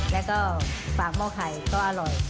แล้วก็ฝากหม้อไข่ก็อร่อย